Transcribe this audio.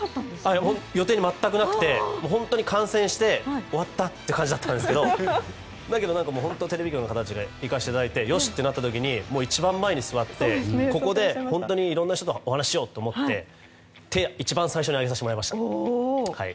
全く予定がなくて終わったという感じだったんですがだけど、テレビ局の形で行かせていただいて一番前に座ってここで本当にいろいろな人とお話ししようと思って手を一番最初に上げさせてもらいました。